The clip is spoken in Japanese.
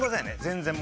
全然。